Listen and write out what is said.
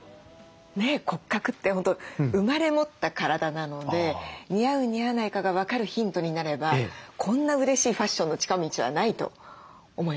ねえ骨格って本当生まれ持った体なので似合う似合わないかが分かるヒントになればこんなうれしいファッションの近道はないと思います。